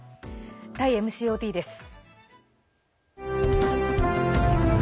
タイＭＣＯＴです。